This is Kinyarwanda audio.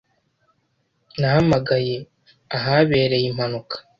Nahamagaye ahabereye impanuka.